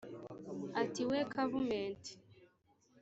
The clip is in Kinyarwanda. Ati :" We Kavumenti,